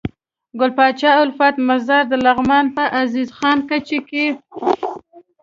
ګل پاچا الفت مزار دلغمان په عزيز خان کځ کي